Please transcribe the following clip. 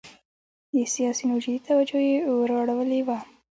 د سیاسینو جدي توجه یې وراړولې وه.